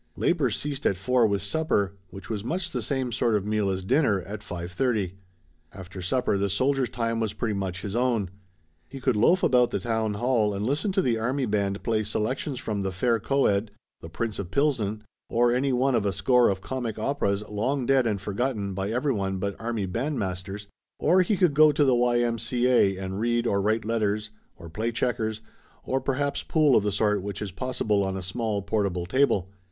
Labor ceased at four with supper, which was much the same sort of meal as dinner, at five thirty. After supper the soldier's time was pretty much his own. He could loaf about the town hall and listen to the army band play selections from "The Fair Co ed," "The Prince of Pilsen" or any one of a score of comic operas long dead and forgotten by everyone but army bandmasters, or he could go to the Y.M.C.A. and read or write letters or play checkers or perhaps pool of the sort which is possible on a small portable table.